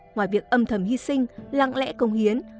ngoài việc âm thầm hy sinh lặng lẽ công hiến